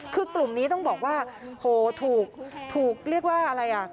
คือกลุ่มนี้ต้องบอกว่าโหถูกเรียกว่าอะไรอ่ะ